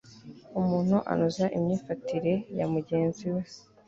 umuntu anoza imyifatire ya mugenzi we